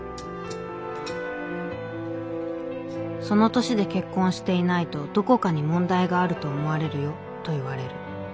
「『その年で結婚していないとどこかに問題があると思われるよ』と言われる。